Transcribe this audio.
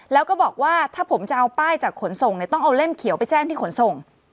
แล้วก็บอกว่าถ้าผมจะเอาป้ายจากขนส่งเนี่ยต้องเอาเล่มเขียวไปแจ้งที่ขนส่ง